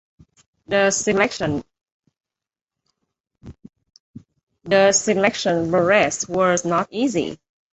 The selection process was not easy.